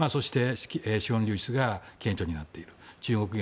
資本流出が顕著になっている。